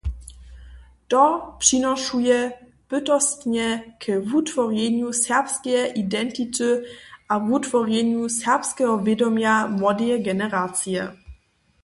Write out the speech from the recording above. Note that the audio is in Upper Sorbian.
To přinošuje bytostnje k wutworjenju serbskeje identity a wutworjenju serbskeho wědomja młodeje generacije.